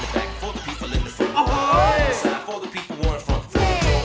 เรากลับเข้าสู่รายการโรศม่าสนุกนะคะ